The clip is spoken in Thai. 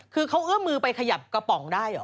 คือเขาเอื้อมือไปขยับกระป๋องได้เหรอ